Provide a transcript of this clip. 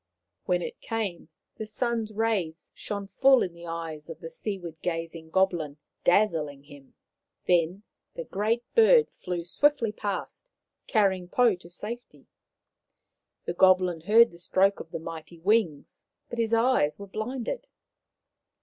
When it came the sun's rays shone full in the eyes of the seaward gazing goblin, dazzling him. Then the Great Bird flew o 220 Maoriland Fairy Tales swiftly past, carrying Pou to safety. The goblin heard the stroke of the mighty wings, but his eyes were blinded.